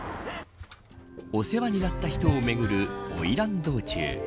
お世話になった人をめぐる花魁道中。